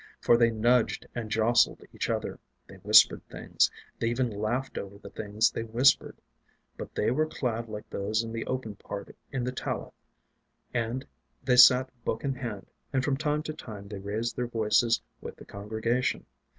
For they nudged and jostled each other; they whispered things; they even laughed over the things they whispered. But they were clad like those in the open part in the Talleth, and they sat book in hand, and from time to time they raised their voices with the congregation.